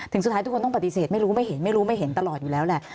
สุดท้ายทุกคนต้องปฏิเสธไม่รู้ไม่เห็นไม่รู้ไม่เห็นตลอดอยู่แล้วแหละ